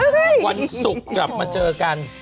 วันศุกร์กลับมาเจอกัน